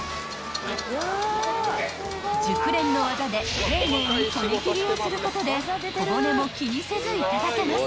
［熟練の業で丁寧に骨切りをすることで小骨も気にせずいただけます］